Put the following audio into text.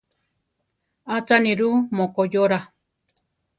Acha nirú mokoyóra.